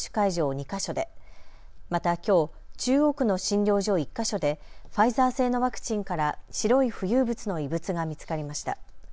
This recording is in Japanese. ２か所で、またきょう、中央区の診療所１か所でファイザー製のワクチンから白い浮遊物の異物が見つかりました。